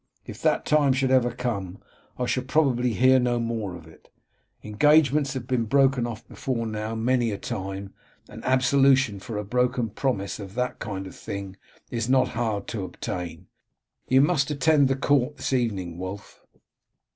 If that time should never come I shall probably hear no more of it. Engagements have been broken off before now many a time, and absolution for a broken promise of that kind is not hard to obtain. You must attend the court this evening, Wulf."